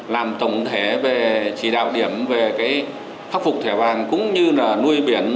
làm tổng thể về chỉ đạo điểm về khắc phục thẻ vàng cũng như là nuôi biển